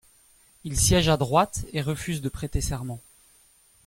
Il siège à droite et refuse de prêter serment.